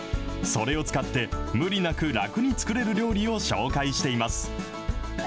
それを使って、無理なく楽に作れる料理を紹介しています。